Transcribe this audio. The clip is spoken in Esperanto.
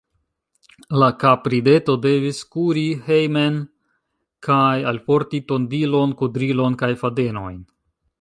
La kaprideto devis kuri hejmen kaj alporti tondilon, kudrilon kaj fadenojn.